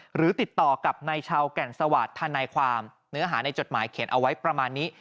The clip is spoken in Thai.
หรือติดต่อกับนายชาวแก่นสวาสธนายความเนื้อหาในจดหมายเขียนเอาไว้ประมาณนี้